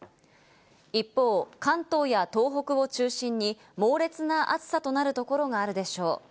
一方、関東や東北を中心に猛烈な暑さとなるところがあるでしょう。